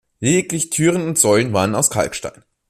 Lediglich Türen und Säulen waren aus Kalkstein.